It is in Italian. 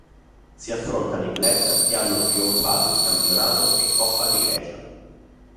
Si affrontano i club che hanno trionfato in campionato e Coppa di Grecia.